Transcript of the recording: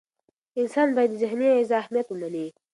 انسان باید د ذهني غذا اهمیت ومني.